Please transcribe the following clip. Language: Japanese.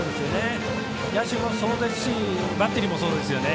野手もそうですしバッテリーもそうですよね。